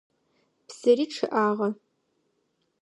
Псыри чъыӏагъэ.